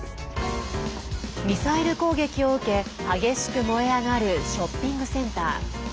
ミサイル攻撃を受け激しく燃え上がるショッピングセンター。